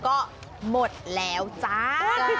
ก็หมดแล้วจ้า